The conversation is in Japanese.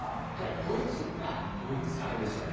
ドイツ、大変でしたね。